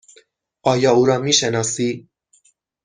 آیا او را می شناسی؟